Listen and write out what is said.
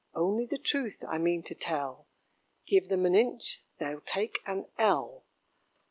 Only the truth I mean to tell: Give them an inch, they'll take an ell.